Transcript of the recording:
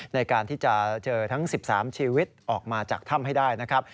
ในการที่จะเจอทั้ง๑๓ชีวิตออกมาจากถ้ำให้ได้นะครับ